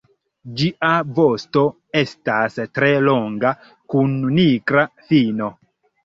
Ĝia vosto estas tre longa kun nigra fino.